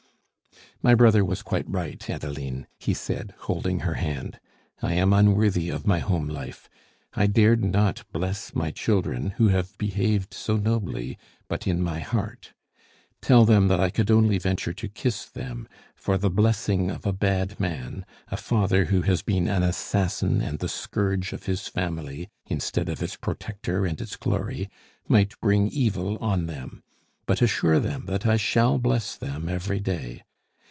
"My brother was quite right, Adeline," he said, holding her hand. "I am unworthy of my home life. I dared not bless my children, who have behaved so nobly, but in my heart; tell them that I could only venture to kiss them; for the blessing of a bad man, a father who has been an assassin and the scourge of his family instead of its protector and its glory, might bring evil on them; but assure them that I shall bless them every day.